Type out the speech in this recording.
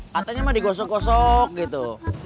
katanya mah digosok gosok gitu